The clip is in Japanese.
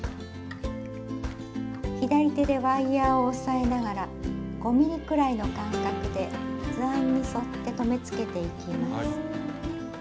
左手でワイヤーを押さえながら５ｍｍくらいの間隔で図案に沿って留めつけていきます。